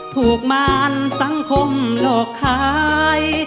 ถูกมารสังคมหลอกขาย